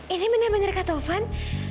ini benar benar katovan